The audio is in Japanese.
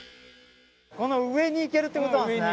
この上に行けるってことなんですね